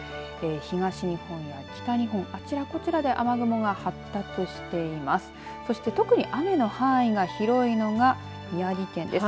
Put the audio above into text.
東日本や北日本、あちらこちらで雨雲が発達しています。